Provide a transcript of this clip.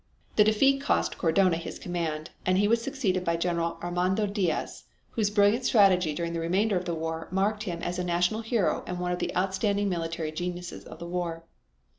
The defeat cost Cadorna his command, and he was succeeded by General Armando Diaz, whose brilliant strategy during the remainder of the war marked him as a national hero and one of the outstanding military geniuses of the war.